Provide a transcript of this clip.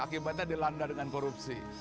akibatnya dilanda dengan korupsi